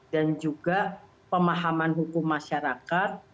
dan juga pemahaman hukum masyarakat